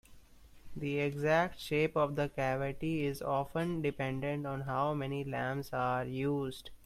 The exact shape of the cavity is often dependent on how many lamps are used.